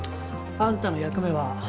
あんたの役目は